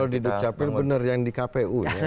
kalau di dut capil benar yang di kpu